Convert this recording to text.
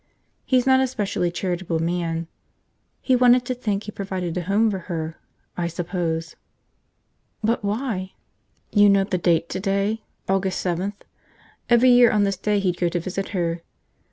he's not a specially charitable man. .. he wanted to think he provided a home for her, I suppose." "But why?" "You know the date today? August seventh. Every year on this day he'd go to visit her.